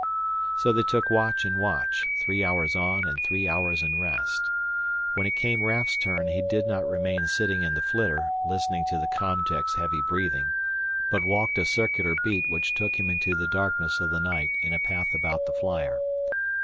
So they took watch and watch, three hours on and three hours in rest. When it came Raf's turn he did not remain sitting in the flitter, listening to the com tech's heavy breathing, but walked a circular beat which took him into the darkness of the night in a path about the flyer.